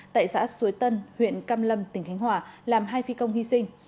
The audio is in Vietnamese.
tại xã suối tân huyện cam lâm tỉnh khánh hòa làm hai phi công hy sinh